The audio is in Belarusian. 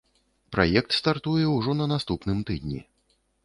Праект стартуе ўжо на наступным тыдні.